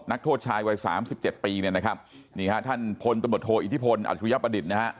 นักโทษชายวัย๓๗ปีท่านพลตำรวจโทอิทธิพลอัศวิยประดิษฐ์